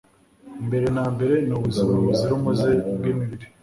mbere na mbere nubuzima buzira umuze bwimibiri